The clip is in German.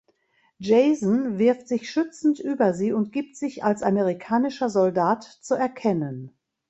Jason wirft sich schützend über sie und gibt sich als amerikanischer Soldat zu erkennen.